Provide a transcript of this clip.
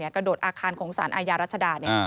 กระโดดอาคารของสารอาญารัชดา